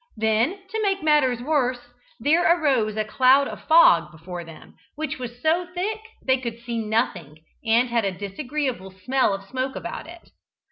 Then, to make matters worse, there arose a cloud of fog before them, which was so thick they could see nothing, and had a disagreeable smell of smoke about it.